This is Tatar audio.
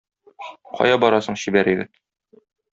Кая барасың, чибәр егет?